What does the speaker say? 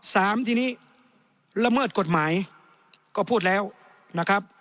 สามทีนี้ละเมิดกฎหมายก็พูดแล้วนะครับ